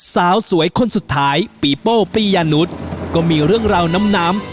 สาวสวยคนสุดท้ายปีโป้ปียะหนุดก็มีเรื่องราวนำน้ำน้ำ